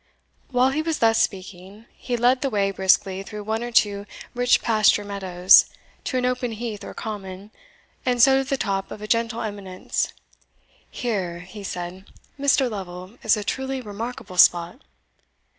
While he was thus speaking, he led the way briskly through one or two rich pasture meadows, to an open heath or common, and so to the top of a gentle eminence. "Here," he said, "Mr. Lovel, is a truly remarkable spot."